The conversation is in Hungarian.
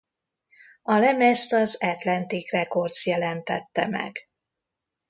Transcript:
A lemezt az Atlantic Records jelentette meg.